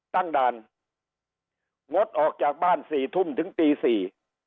ตั้งด่านงดออกจากบ้านสี่ทุ่มถึงตีสี่